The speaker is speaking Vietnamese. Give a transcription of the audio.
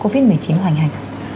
covid một mươi chín hoành hành